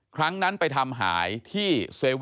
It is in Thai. ครั้งนั้นไปทำหายที่๗